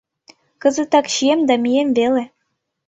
— Кызытак чием да мием веле.